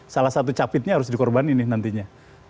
salah satu capitnya harus dikorbanin nih nantinya